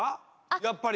やっぱり。